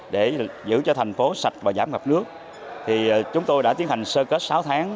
để giữ cho thành phố sạch và giảm ngập nước chúng tôi đã tiến hành sơ kết sáu tháng